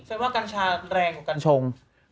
ว่ากัญชาแรงกว่ากัญชง